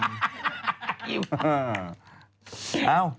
เฮียบ้า